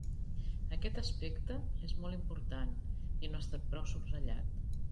Aquest aspecte és molt important i no ha estat prou subratllat.